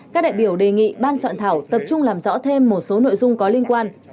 các đại biểu đề nghị ban soạn thảo tập trung làm rõ thêm một số nội dung có liên quan